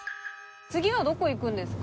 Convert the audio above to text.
次はどこ行くんですか？